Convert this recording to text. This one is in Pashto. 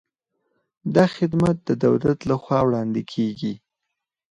دا خدمات د دولت له خوا وړاندې کیږي.